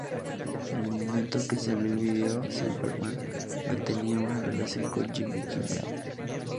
En el momento que salió el vídeo, Silverman mantenía una relación con Jimmy Kimmel.